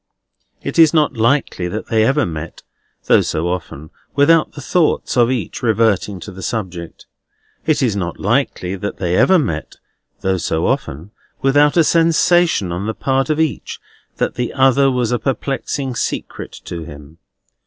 It is not likely that they ever met, though so often, without the thoughts of each reverting to the subject. It is not likely that they ever met, though so often, without a sensation on the part of each that the other was a perplexing secret to him.